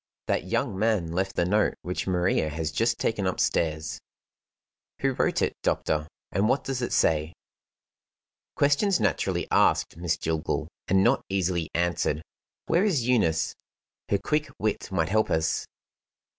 "That young man left the note which Maria has just taken upstairs." "Who wrote it, doctor, and what does it say?" "Questions naturally asked, Miss Jillgall and not easily answered. Where is Eunice? Her quick wit might help us."